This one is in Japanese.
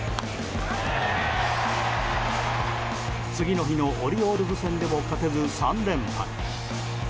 次の日のオリオールズ戦でも勝てず、３連敗。